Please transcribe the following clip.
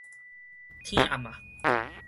天暗啊